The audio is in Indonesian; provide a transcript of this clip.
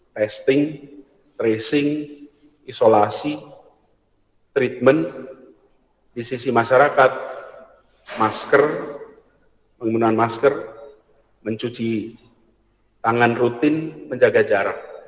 testing tracing isolasi treatment di sisi masyarakat masker penggunaan masker mencuci tangan rutin menjaga jarak